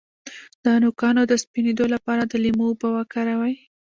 د نوکانو د سپینیدو لپاره د لیمو اوبه وکاروئ